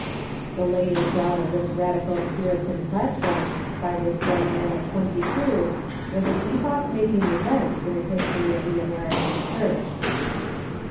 The lay ing down of this radical Pui'itan platform by this young man of twenty two was an epoch making event in the history of the American Church.